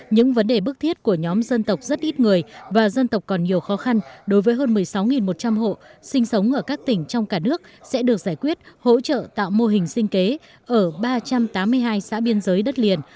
những vấn đề bức thiết của nhóm dân tộc rất ít người và dân tộc còn nhiều khó khăn đối với hơn một mươi sáu một trăm linh hộ sinh sống ở các tỉnh trong cả nước sẽ được giải quyết hỗ trợ tạo mô hình sinh kế ở ba trăm tám mươi hai xã biên giới đất liền